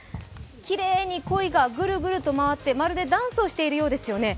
きれいに鯉がグルグルと回って、まるでダンスしているようですよね。